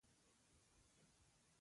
د مینې ادبي انځور